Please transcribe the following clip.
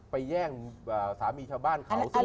แย่งสามีชาวบ้านเขาสิ